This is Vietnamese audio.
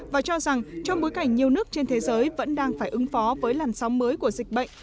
và cho rằng trong bối cảnh nhiều nước trên thế giới vẫn đang phải ứng phó với làn sóng mới của dịch bệnh